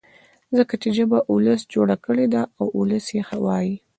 ځکه چي ژبه ولس جوړه کړې ده او ولس يې وايي.